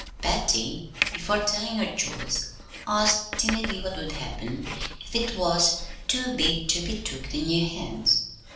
Patty, before telling her choice, asked timidly what would happen if it was "too big ter be tooked in yer hands."